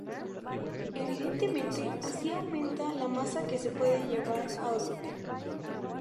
Evidentemente, así aumenta la masa que se puede llevar a órbita.